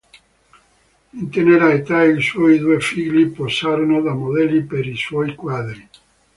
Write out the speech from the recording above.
In tenera età, i suoi due figli posarono da modelli per i suoi quadri.